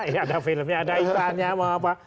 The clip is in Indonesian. eh ada filmnya ada intanya mau apa